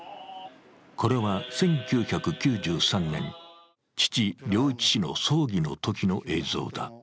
これは１９９３年、父、良一氏の葬儀のときの映像だ。